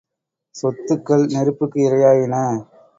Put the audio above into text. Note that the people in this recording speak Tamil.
சொத்துக்கள் நெருப்புக்கு இரையாயின.